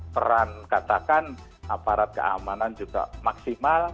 peran katakan aparat keamanan juga maksimal